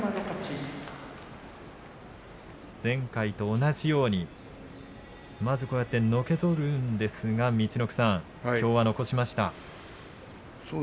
前回と同じようにまず、のけぞりますが陸奥さん、きょうは残しました。